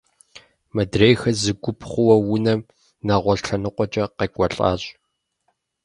Мыдрейхэр зы гуп хъууэ унэм нэгъуэщӏ лъэныкъуэкӏэ къекӏуэлӏащ.